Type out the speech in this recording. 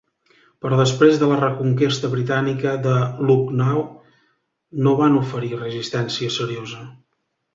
Però després de la reconquesta britànica de Lucknow no van oferir resistència seriosa.